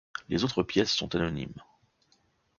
Les autres pièces sont anonymes.